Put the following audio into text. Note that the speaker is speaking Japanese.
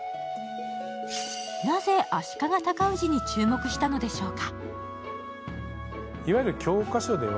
なぜ足利尊氏に注目したのでしょうか。